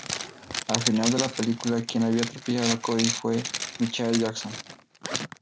Al final de la película quien había atropellado a Cody fue Michael Jackson.